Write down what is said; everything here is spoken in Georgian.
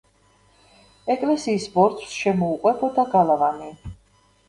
ეკლესიის ბორცვს შემოუყვებოდა გალავანი.